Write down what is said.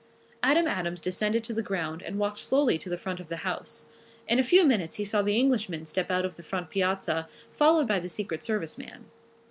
Adam Adams descended to the ground and walked slowly to the front of the house. In a few minutes he saw the Englishman step out on the front piazza followed by the secret service man.